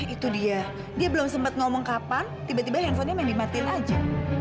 itu dia dia belum sempat ngomong kapan tiba tiba handphonenya main di matiin aja